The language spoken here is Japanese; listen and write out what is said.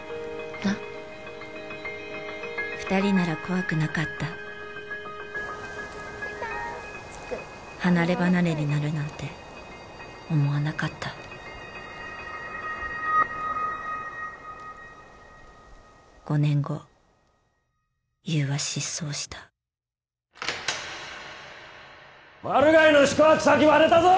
なっ２人なら怖くなかった離ればなれになるなんて思わなかった５年後優は失踪したマル害の宿泊先割れたぞ！